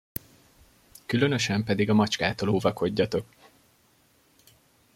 Különösen pedig a macskától óvakodjatok.